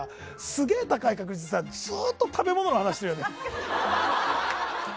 すげえ高い確率でずっと食べ物の話してるよね。